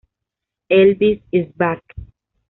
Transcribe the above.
Elvis Is Back!